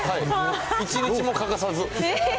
１日も欠かさず。